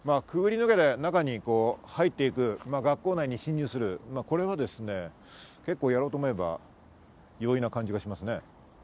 くぐり抜けて中に入っていく、学校内に侵入する、これはですね、結構、やろうと思えば容易な感じがしますね。